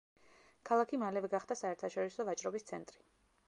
ქალაქი მალევე გახდა საერთაშორისო ვაჭრობის ცენტრი.